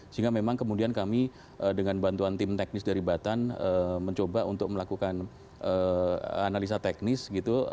sehingga memang kemudian kami dengan bantuan tim teknis dari batan mencoba untuk melakukan analisa teknis gitu